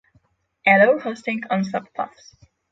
Allow hosting on subpath